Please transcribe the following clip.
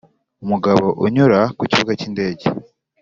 umugabo unyura ku kibuga cy'indege